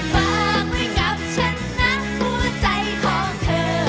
บอกไว้กับฉันนะหัวใจของเธอ